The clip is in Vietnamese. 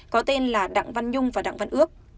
có tên là đặng văn nhung và đặng văn ước